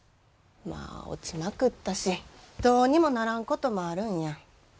まあ落ちまくったしどうにもならんこともあるんや。